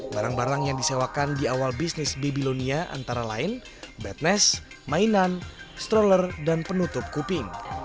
barang barang yang disewakan di awal bisnis babylonia antara lain bedness mainan stroller dan penutup kuping